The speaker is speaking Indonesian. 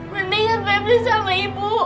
mendingan febri sama ibu